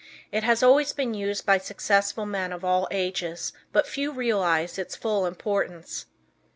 It has always been used by successful men of all ages, but few realize its full importance.